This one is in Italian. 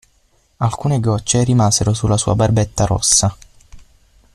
Alcune goccie rimasero sulla sua barbetta rossa.